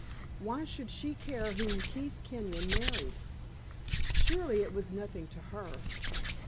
Why should she care whom Keith Kenyon married? Surely, it was nothing to her.